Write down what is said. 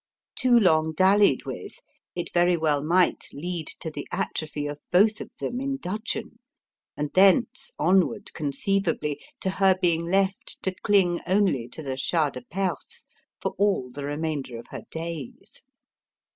Too long dallied with, it very well might lead to the atrophy of both of them in dudgeon; and thence onward, conceivably, to her being left to cling only to the Shah de Perse for all the remainder of her days.